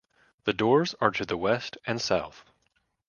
The doors are to the west and south.